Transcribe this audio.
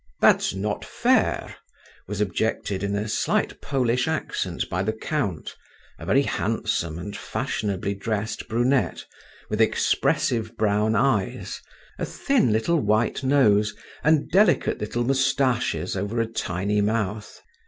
"That's not fair," was objected in a slight Polish accent by the count, a very handsome and fashionably dressed brunette, with expressive brown eyes, a thin little white nose, and delicate little moustaches over a tiny mouth.